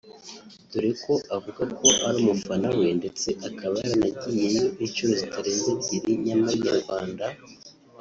dore ko avuga ko ari umufana we ndetse akaba yaranagiyeyo inshuro zitarenze ebyeri nyamara Inyarwanda